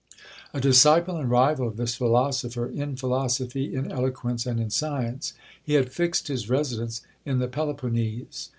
A disciple and rival of this philosopher in philosophy, in eloquence, and in science, he had fixed his residence in the Peloponnese.